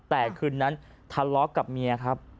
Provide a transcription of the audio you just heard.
แต่คืนนั้นทะเลาะกับเมียครับ